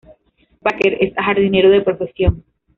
Bakker es jardinero de profesión.